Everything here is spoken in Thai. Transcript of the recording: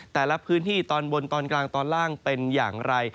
แต่ละพื้นที่ตอนบนตอนกลางตอนล่างเป็นอย่างไร